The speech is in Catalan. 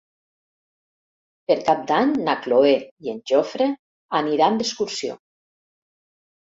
Per Cap d'Any na Cloè i en Jofre aniran d'excursió.